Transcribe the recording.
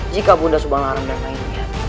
jika bunda subang lara menangkapnya